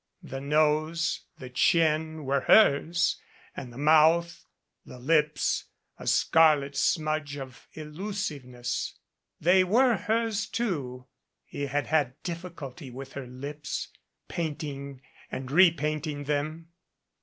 The nose, the chin, were hers, and the mouth the lips, a scarlet smudge of illusiveness. They were hers, too. He had had difficulty with her lips, painting and repainting them.